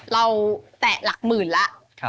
แตะหลักหมื่นแล้ว